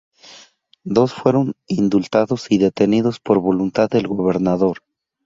Dos fueron "indultados y detenidos por voluntad del Gobernador.